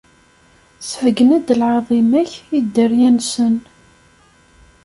Sbeyyen-d lɛaḍima-k i dderya-nsen.